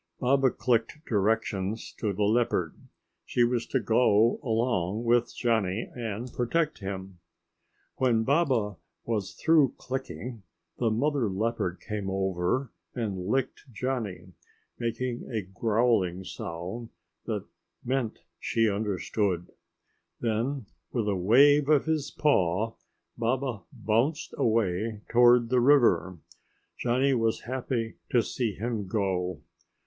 Baba clicked directions to the leopard. She was to go along with Johnny and protect him. When Baba was through clicking, the mother leopard came over and licked Johnny, making a growling sound that meant she understood. Then with a wave of his paw, Baba bounced away toward the river. Johnny was happy to see him go.